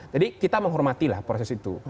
jadi kita menghormatilah proses itu